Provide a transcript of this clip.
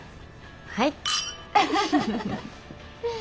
はい！